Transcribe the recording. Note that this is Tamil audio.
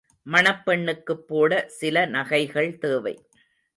மணப்பெண்ணுக்குப் போட சில நகைகள் தேவை.